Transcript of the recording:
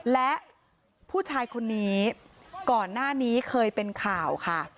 และผู้ชายคนนี้ก่อนหน้านี้เคยเป็นข่าวค่ะ